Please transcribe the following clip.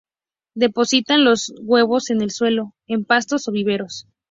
Depositan los huevos en el suelo, en pastos o viveros.